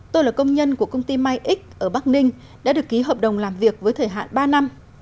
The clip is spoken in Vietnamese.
tôi là công nhân của công ty my x ở bắc ninh đã được ký hợp đồng làm việc với thời hạn ba năm